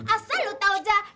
asal lo tau jah